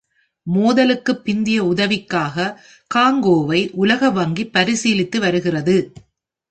மோதலுக்கு பிந்தைய உதவிக்காக காங்கோவை உலக வங்கி பரிசீலித்து வருகிறது.